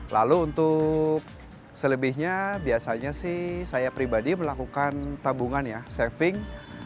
lalu untuk selebihnya biasanya sih saya pribadi melakukan tabungan ya saving